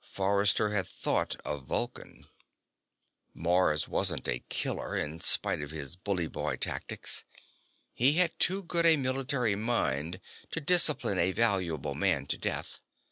Forrester had thought of Vulcan. Mars wasn't a killer, in spite of his bully boy tactics. He had too good a military mind to discipline a valuable man to death.